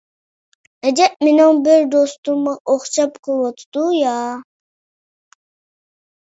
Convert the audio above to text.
ئەجەب مېنىڭ بىر دوستۇمغا ئوخشاپ قېلىۋاتىدۇ يا.